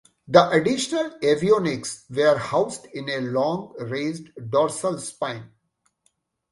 The additional avionics were housed in a long, raised dorsal spine.